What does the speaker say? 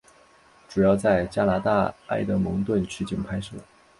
主要在加拿大埃德蒙顿取景拍摄。